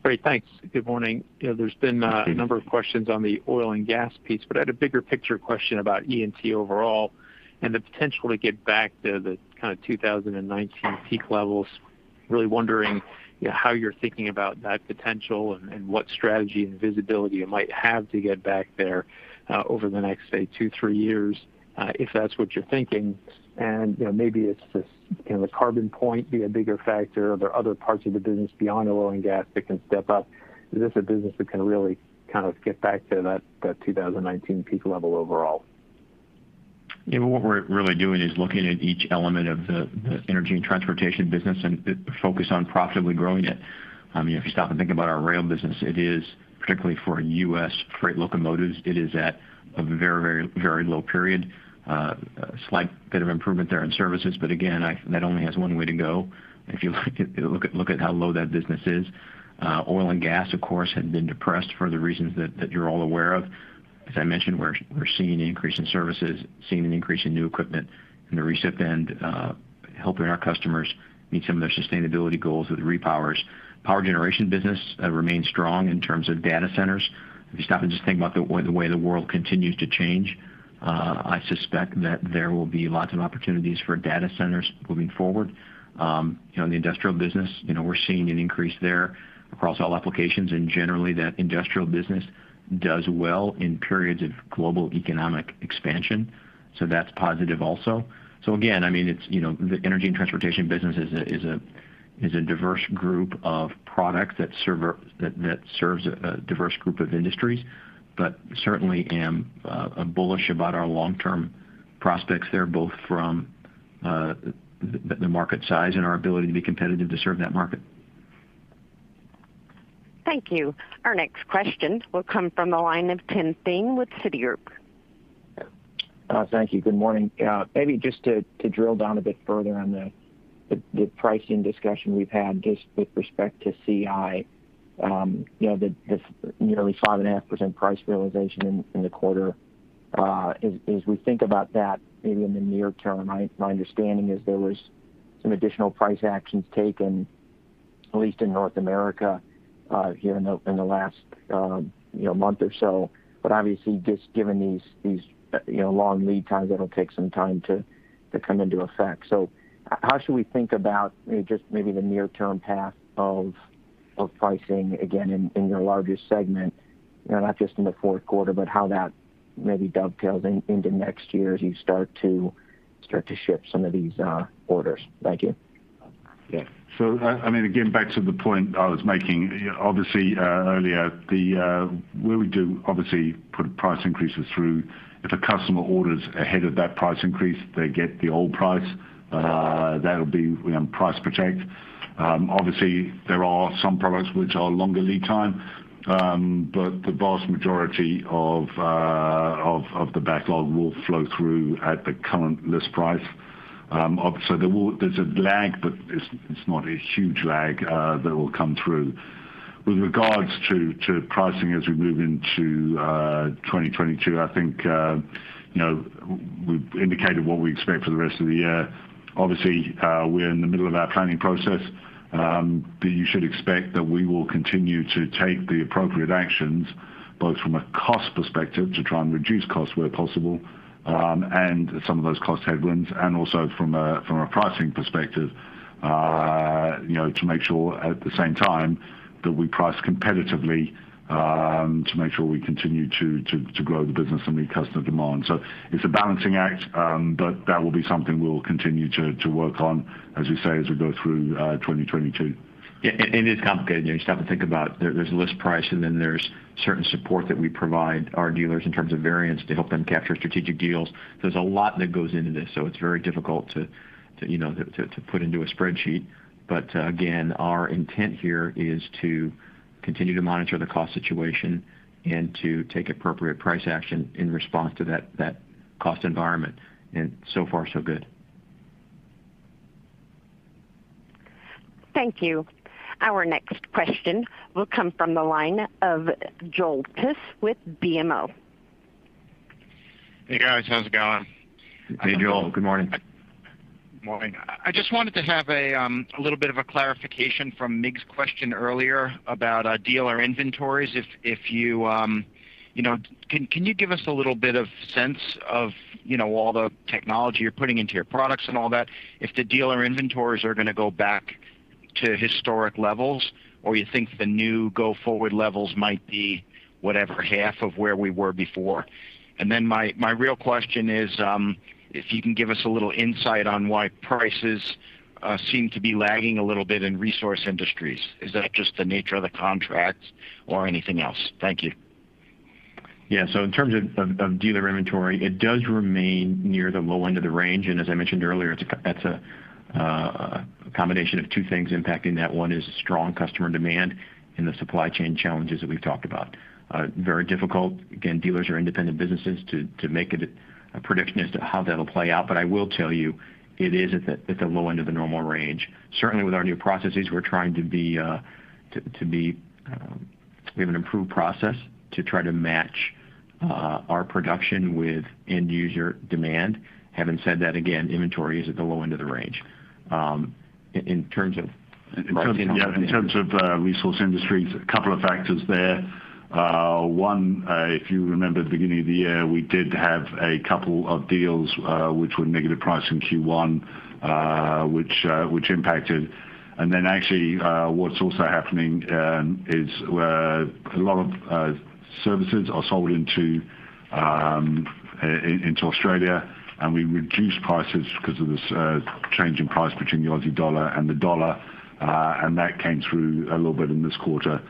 Great. Thanks. Good morning. You know, there's been. Good morning. A number of questions on the oil and gas piece, but I had a bigger picture question about E&T overall and the potential to get back to the kind of 2019 peak levels. Really wondering, you know, how you're thinking about that potential and what strategy and visibility you might have to get back there over the next, say, two, three years, if that's what you're thinking. You know, maybe it's just, you know, the carbon footprint be a bigger factor. Are there other parts of the business beyond oil and gas that can step up? Is this a business that can really kind of get back to that 2019 peak level overall? Yeah. What we're really doing is looking at each element of the Energy & Transportation business and focus on profitably growing it. I mean, if you stop and think about our rail business, it is, particularly for U.S. freight locomotives, at a very low period. A slight bit of improvement there in services, but again, that only has one way to go, if you like to look at how low that business is. Oil and gas, of course, have been depressed for the reasons that you're all aware of. As I mentioned, we're seeing an increase in services, seeing an increase in new equipment in the recip end, helping our customers meet some of their sustainability goals with repowers. Power generation business remains strong in terms of data centers. If you stop and just think about the way the world continues to change, I suspect that there will be lots of opportunities for data centers moving forward. You know, in the industrial business, you know, we're seeing an increase there across all applications, and generally that industrial business does well in periods of global economic expansion, so that's positive also. Again, I mean, it's, you know, the Energy & Transportation business is a diverse group of products that serves a diverse group of industries. Certainly I am bullish about our long-term prospects there, both from the market size and our ability to be competitive to serve that market. Thank you. Our next questions will come from the line of Timothy Thein with Citigroup. Thank you. Good morning. Maybe just to drill down a bit further on the pricing discussion we've had just with respect to CI, you know, the nearly 5.5% price realization in the quarter. As we think about that maybe in the near term, my understanding is there was some additional price actions taken, at least in North America, here in the last month or so. Obviously, just given these, you know, long lead times, it'll take some time to come into effect. How should we think about, you know, just maybe the near term path of pricing again in your largest segment, you know, not just in the fourth quarter, but how that maybe dovetails into next year as you start to ship some of these orders. Thank you. Yeah. I mean, again, back to the point I was making, you know, obviously earlier, where we do obviously put price increases through, if a customer orders ahead of that price increase, they get the old price. That'll be, you know, price protect. Obviously there are some products which are longer lead time, but the vast majority of the backlog will flow through at the current list price. Obviously, there's a lag, but it's not a huge lag that will come through. With regards to pricing as we move into 2022, I think, you know, we've indicated what we expect for the rest of the year. Obviously, we're in the middle of our planning process, but you should expect that we will continue to take the appropriate actions, both from a cost perspective to try and reduce costs where possible, and some of those cost headwinds, and also from a pricing perspective, you know, to make sure at the same time that we price competitively, to make sure we continue to grow the business and meet customer demand. It's a balancing act that will be something we'll continue to work on, as we say, as we go through 2022. Yeah, it is complicated. You know, you stop and think about it. There's list price and then there's certain support that we provide our dealers in terms of variants to help them capture strategic deals. There's a lot that goes into this, so it's very difficult to, you know, put into a spreadsheet. Again, our intent here is to continue to monitor the cost situation and to take appropriate price action in response to that cost environment. So far so good. Thank you. Our next question will come from the line of Joel Tiss with BMO. Hey, guys. How's it going? Hey, Joel. Good morning. Morning. I just wanted to have a little bit of a clarification from Mircea's question earlier about dealer inventories. Can you give us a little bit of sense of, you know, all the technology you're putting into your products and all that, if the dealer inventories are gonna go back to historic levels, or you think the new go-forward levels might be, whatever, half of where we were before? My real question is, if you can give us a little insight on why prices seem to be lagging a little bit in Resource Industries. Is that just the nature of the contracts or anything else? Thank you. In terms of dealer inventory, it does remain near the low end of the range. As I mentioned earlier, it's a combination of two things impacting that. One is strong customer demand and the supply chain challenges that we've talked about. Very difficult. Again, dealers are independent businesses to make a prediction as to how that'll play out. I will tell you, it is at the low end of the normal range. Certainly with our new processes, we have an improved process to try to match our production with end user demand. Having said that, again, inventory is at the low end of the range. In terms of- In terms of Resource Industries, a couple of factors there. One, if you remember at the beginning of the year, we did have a couple of deals which were negative price in Q1, which impacted. Actually, what's also happening is where a lot of services are sold into Australia, and we reduced prices because of this change in price between the Aussie dollar and the dollar, and that came through a little bit in this quarter.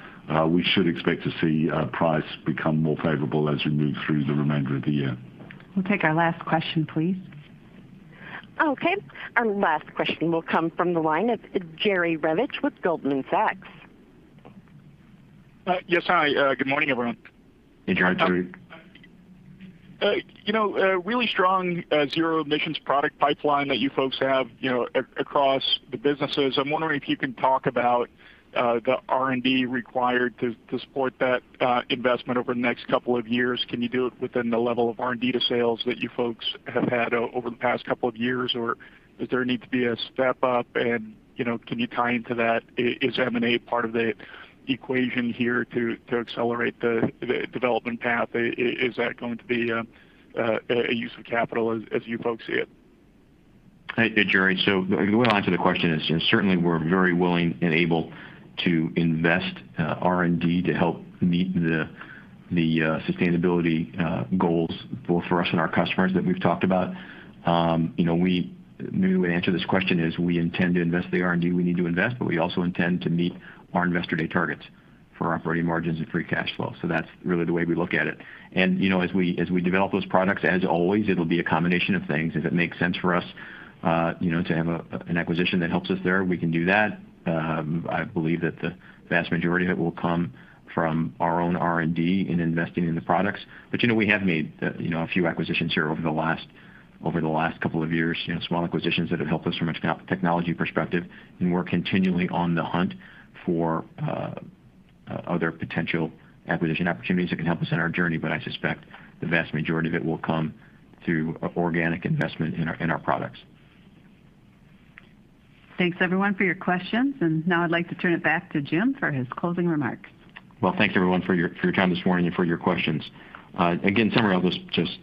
We should expect to see price become more favorable as we move through the remainder of the year. We'll take our last question, please. Okay. Our last question will come from the line of Jerry Revich with Goldman Sachs. Yes, hi. Good morning, everyone. Hey, Jerry. You know, really strong zero-emissions product pipeline that you folks have, you know, across the businesses. I'm wondering if you can talk about the R&D required to support that investment over the next couple of years. Can you do it within the level of R&D to sales that you folks have had over the past couple of years, or does there need to be a step up? You know, can you tie into that, is M&A part of the equation here to accelerate the development path? Is that going to be a use of capital as you folks see it? Hey, Jerry. The way I'd answer the question is, you know, certainly we're very willing and able to invest R&D to help meet the sustainability goals both for us and our customers that we've talked about. Maybe the way to answer this question is we intend to invest the R&D we need to invest, but we also intend to meet our Investor Day targets for operating margins and free cash flow. That's really the way we look at it. You know, as we develop those products, as always, it'll be a combination of things. If it makes sense for us, you know, to have an acquisition that helps us there, we can do that. I believe that the vast majority of it will come from our own R&D in investing in the products. You know, we have made, you know, a few acquisitions here over the last couple of years, you know, small acquisitions that have helped us from a technology perspective, and we're continually on the hunt for other potential acquisition opportunities that can help us in our journey. I suspect the vast majority of it will come through organic investment in our products. Thanks, everyone, for your questions, and now I'd like to turn it back to Jim for his closing remarks. Well, thanks, everyone, for your time this morning and for your questions. Again, summary, I'll just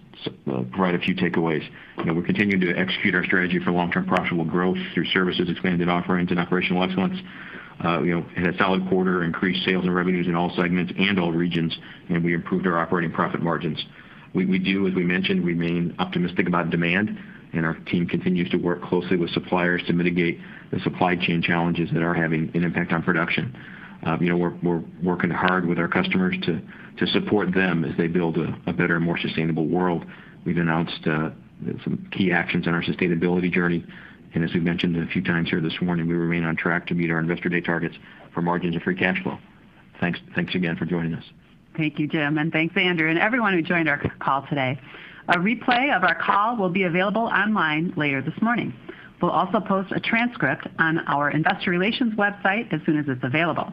provide a few takeaways. You know, we're continuing to execute our strategy for long-term profitable growth through services, expanded offerings and operational excellence. You know, we had a solid quarter, increased sales and revenues in all segments and all regions, and we improved our operating profit margins. We do, as we mentioned, remain optimistic about demand, and our team continues to work closely with suppliers to mitigate the supply chain challenges that are having an impact on production. You know, we're working hard with our customers to support them as they build a better, more sustainable world. We've announced some key actions on our sustainability journey. As we've mentioned a few times here this morning, we remain on track to meet our Investor Day targets for margins and free cash flow. Thanks, thanks again for joining us. Thank you, Jim, and thanks, Andrew, and everyone who joined our call today. A replay of our call will be available online later this morning. We'll also post a transcript on our investor relations website as soon as it's available.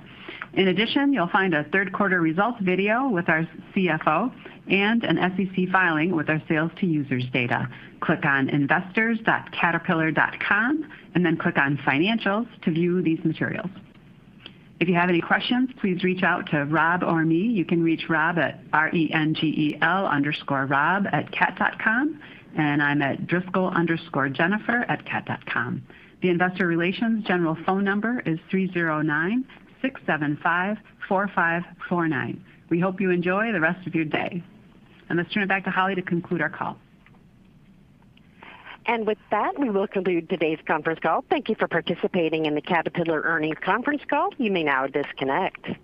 In addition, you'll find a third quarter results video with our CFO and an SEC filing with our sales to users data. Click on investors.caterpillar.com and then click on Financials to view these materials. If you have any questions, please reach out to Rob or me. You can reach Rob at rengel_rob@cat.com, and I'm at driscoll_jennifer@cat.com. The investor relations general phone number is 309-675-4549. We hope you enjoy the rest of your day. Let's turn it back to Holly to conclude our call. With that, we will conclude today's conference call. Thank you for participating in the Caterpillar Earnings Conference Call. You may now disconnect.